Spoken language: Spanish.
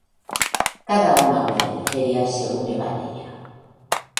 Cada uno habla de la feria segun le va en ella.